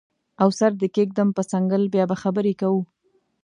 او سر دې کیږدم په څنګل بیا به خبرې کوو